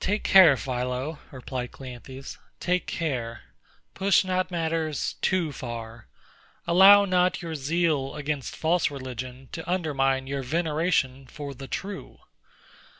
Take care, PHILO, replied CLEANTHES, take care: push not matters too far: allow not your zeal against false religion to undermine your veneration for the true.